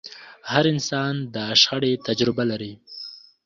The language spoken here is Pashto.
هر انسان د شخړې تجربه لري.